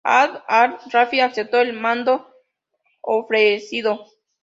Abd al-Latif aceptó el mando ofrecido.